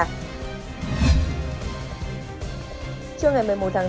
trước ngày một mươi một tháng bốn